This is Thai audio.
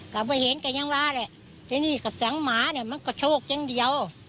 กะว่าเห็นกะยังว่าเลยทีนี้กะสังหมาเนี่ยมันกะโชคอย่างเดียว